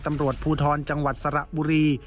ตำรวจภูทรจังหวัดสระบุรี